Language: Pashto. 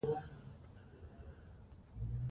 نمک د افغانستان د اجتماعي جوړښت برخه ده.